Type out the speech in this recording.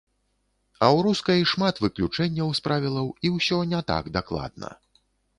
А ў рускай шмат выключэнняў з правілаў і ўсё не так дакладна.